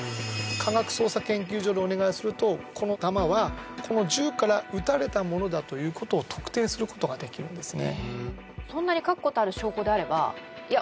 科学捜査研究所にお願いすると、この弾はこの銃から撃たれたものだということを特定することができるんですね。